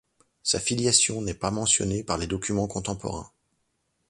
Sa filiation n'est pas mentionnée par les documents contemporains.